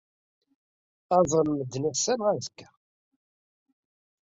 Ad ẓren medden ass-a neɣ azekka.